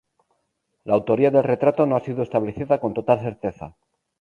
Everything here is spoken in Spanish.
La autoría del retrato no ha sido establecida con total certeza.